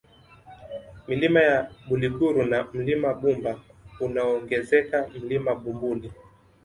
Milima ya Buliguru na Mlima Bumba unaongezeka Mlima Bumbuli